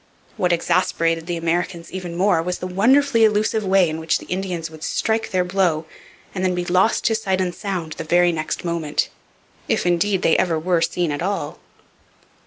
What exasperated the Americans even more was the wonderfully elusive way in which the Indians would strike their blow and then be lost to sight and sound the very next moment, if, indeed, they ever were seen at all.